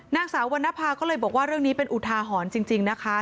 นางสาววรรณภาก็เลยบอกว่าเรื่องนี้เป็นอุทาหรณ์จริงนะคะ